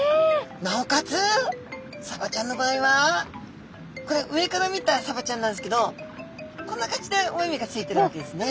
なおかつサバちゃんの場合はこれは上から見たサバちゃんなんですけどこんな感じでお目々がついているわけですね。